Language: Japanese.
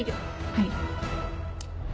はい。